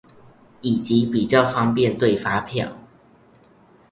以及比較方便對發票